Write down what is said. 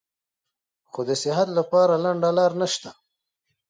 خو د صحت له پاره لنډه لار نشته -